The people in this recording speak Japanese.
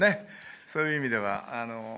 そういう意味では。